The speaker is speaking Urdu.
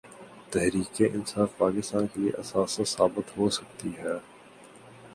تحریک انصاف پاکستان کے لیے اثاثہ ثابت ہو سکتی ہے۔